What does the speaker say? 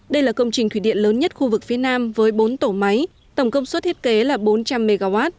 đây là công trình thủy điện lớn nhất khu vực phía nam với bốn tổ máy tổng công suất thiết kế là bốn trăm linh mw